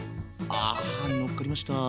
ああのっかりました。